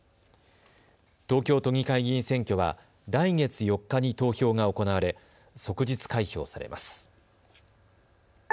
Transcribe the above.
東京都議会議員選挙は来月４日に投票が行われ即日開票されます。